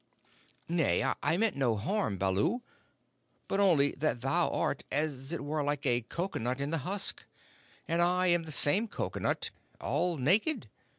"Nay, I meant no harm, Baloo; but only that thou art, as it were, like the cocoanut in the husk, and I am the same cocoanut all naked.